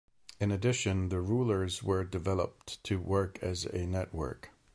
In addition, the rulers were developed to work as a network.